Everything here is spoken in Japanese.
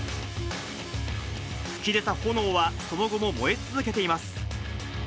噴き出た炎はその後も燃え続けています。